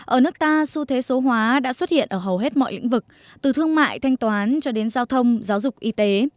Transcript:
ở nước ta xu thế số hóa đã xuất hiện ở hầu hết mọi lĩnh vực từ thương mại thanh toán cho đến giao thông giáo dục y tế